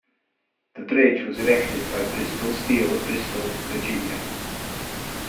The bridge was erected by Bristol Steel of Bristol, Virginia.